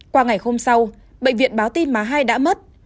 qua ngày hôm sau bệnh viện báo tin mà hai đã mất